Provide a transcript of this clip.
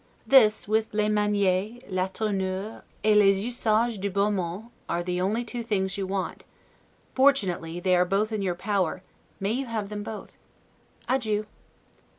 This, with 'les manieres, la tournure, et les usages du beau monde', are the only two things you want; fortunately, they are both in your power; may you have them both! Adieu.